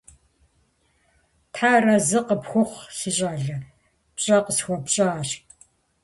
Тхьэр арэзы къыпхухъу, си щӀалэ, пщӀэ къысхуэпщӀащ.